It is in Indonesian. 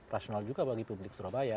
rasional juga bagi publik surabaya